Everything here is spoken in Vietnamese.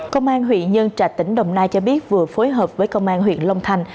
công an huyện nhân trạch tỉnh đồng nai cho biết vừa phối hợp với công an huyện long thành